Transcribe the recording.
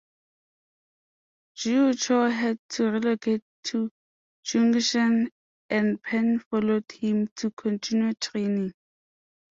Jiu Chow had to relocate to Chungshan, and Pan followed him to continue training.